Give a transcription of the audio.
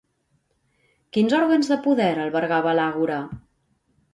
Quins òrgans de poder albergava l'Àgora?